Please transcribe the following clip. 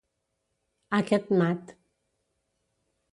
Aquest mat